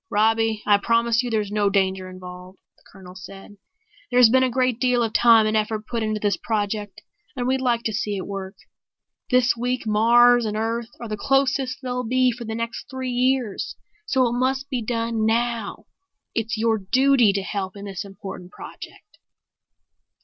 "Robbie, I promise you there's no danger involved," the Colonel said. "There's been a great deal of time and effort put into this project and we'd like to see it work. This week Mars and Earth are the closest they'll be for the next three years, so it must be done now. It's your duty to help in this important project."